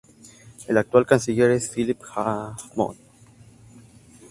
El actual canciller es Philip Hammond.